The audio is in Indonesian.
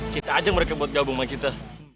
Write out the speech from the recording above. kita aja mereka buat gabung sama kita